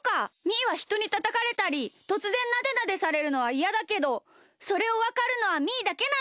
みーはひとにたたかれたりとつぜんなでなでされるのはいやだけどそれをわかるのはみーだけなのか！